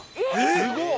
◆すごっ！